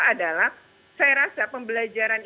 adalah saya rasa pembelajaran